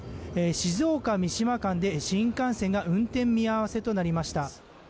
静岡・三島間で新幹線が運転見合わせとなりました。